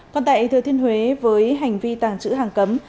còn tại thừa thiên huế với hành vi tàng trữ hàng cấm